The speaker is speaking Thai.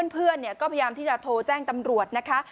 เพื่อนก็พยายามที่จะโทรแจ้งตำรวจนะคะ